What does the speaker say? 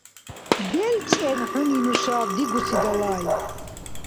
БелчӀен хӀуни нушаб дигуси далай.